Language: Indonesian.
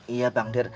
iya bang der